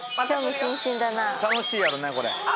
楽しいやろねこれ。